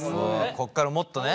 こっからもっとね。